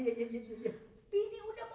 kenakan gua lah